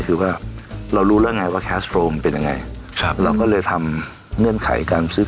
คือว่าเรารู้แล้วไงว่าแคสโรมเป็นยังไงครับเราก็เลยทำเงื่อนไขการซื้อ